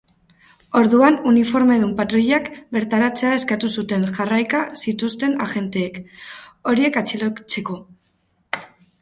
Orduan, uniformedun patruilak bertaratzea eskatu zuten jarraika zituzten agenteek, horiek atxilotzeko.